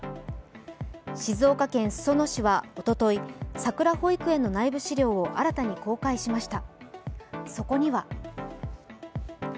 静岡県裾野市はおとといさくら保育園の内部資料を新たに公開しました。